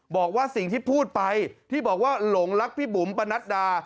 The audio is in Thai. บอกว่าสิ่งที่พูดไปที่บอกว่าหลงรักพี่บุ๋มปะนัดดา